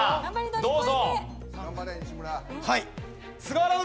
どうぞ。